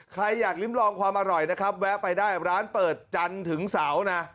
ใครอยากลิ้มลองความอร่อยนะครับแวะไปได้ร้านเปิดจันทร์ถึงเสาร์นะ